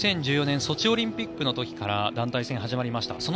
２０１４年ソチオリンピックの時から団体戦、始まりました。